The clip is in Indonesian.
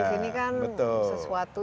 di sini kan sesuatu